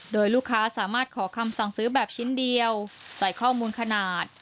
โดยลูกค้าสามารถขอคำสั่งซื้อแบบชิ้นเดียวใส่ข้อมูลขนาด